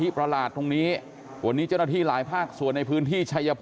พ่อขออนุญาตพ่อขออนุญาต